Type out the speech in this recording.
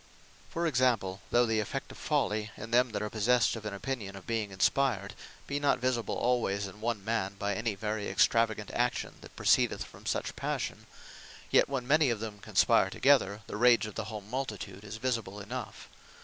(For example,) Though the effect of folly, in them that are possessed of an opinion of being inspired, be not visible alwayes in one man, by any very extravagant action, that proceedeth from such Passion; yet when many of them conspire together, the Rage of the whole multitude is visible enough.